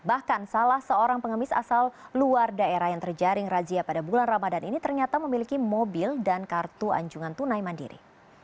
bahkan salah seorang pengemis asal luar daerah yang terjaring razia pada bulan ramadan ini ternyata memiliki mobil dan kartu anjungan tunai mandiri